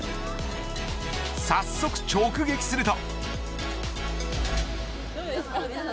早速、直撃すると。